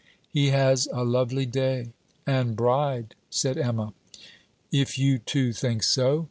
'He has a lovely day.' 'And bride,' said Emma. 'If you two think so!